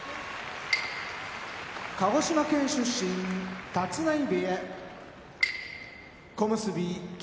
鹿児島県出身立浪部屋小結・霧